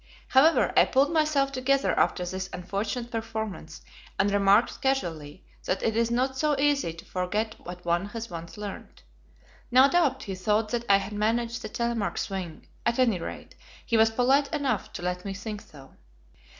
However, I pulled myself together after this unfortunate performance, and remarked casually that it is not so easy to forget what one has once learnt. No doubt he thought that I had managed the "Telemark swing"; at any rate, he was polite enough to let me think so.